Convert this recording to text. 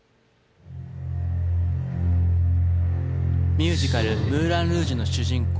ミュージカル『ムーラン・ルージュ』の主人公